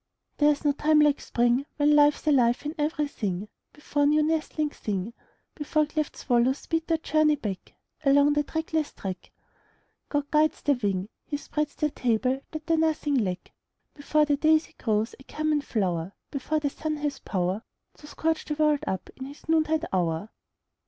There is no time like Spring, When life's alive in everything, Before new nestlings sing, Before cleft swallows speed their journey back Along the trackless track, God guides their wing, He spreads their table that they nothing lack, Before the daisy grows a common flower, Before the sun has power To scorch the world up in his noontide hour.